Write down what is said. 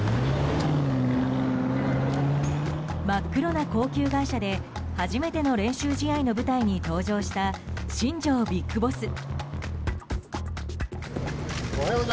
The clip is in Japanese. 真っ黒な高級外車で初めての練習試合の舞台に登場した新庄ビッグボス。